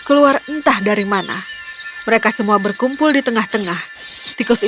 dia memutuskan bahwa dia akan menangkap saya dengan perang